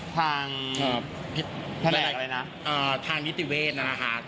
ทางพิสูจน์พิธีเวชนะนะคะ